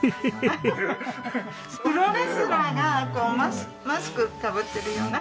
プロレスラーがマスクかぶってるような。